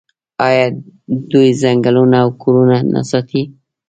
آیا دوی ځنګلونه او کورونه نه ساتي؟